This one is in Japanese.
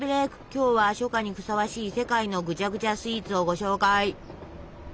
今日は初夏にふさわしい世界のぐちゃぐちゃスイーツをご紹介。